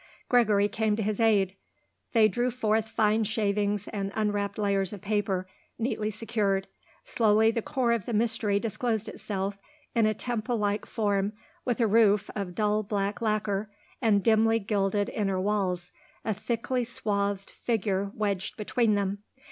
Gregory came to his aid. They drew forth fine shavings and unwrapped layers of paper, neatly secured; slowly the core of the mystery disclosed itself in a temple like form with a roof of dull black lacquer and dimly gilded inner walls, a thickly swathed figure wedged between them.